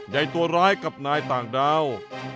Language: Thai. ใหญ่ตัวร้ายกับนายต่างดาว